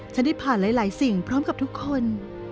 ได้ผ่านหลายสิ่งพร้อมกับทุกคน